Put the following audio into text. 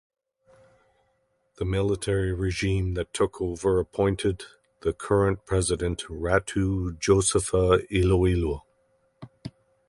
The military regime that took over appointed the current President, Ratu Josefa Iloilo.